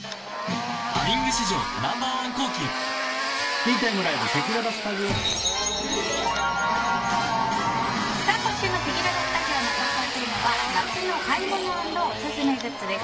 「ハミング」史上Ｎｏ．１抗菌今週のせきららスタジオの投稿テーマは夏の買い物＆オススメグッズです。